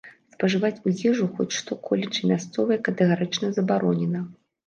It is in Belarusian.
Спажываць у ежу хоць што-колечы мясцовае катэгарычна забаронена.